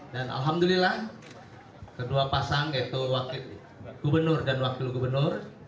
dan alhamdulillah kedua pasang yaitu gubernur dan wakil gubernur